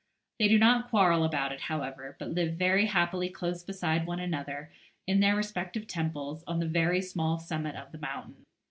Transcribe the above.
They do not quarrel about it, however, but live very happily close beside one another in their respective temples on the very small summit of the mountain.